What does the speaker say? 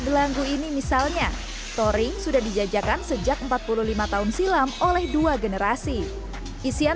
gelanggu ini misalnya touring sudah dijajakan sejak empat puluh lima tahun silam oleh dua generasi isian